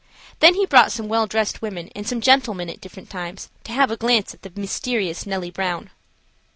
Then he brought some well dressed women and some gentlemen at different times to have a glance at the mysterious Nellie Brown.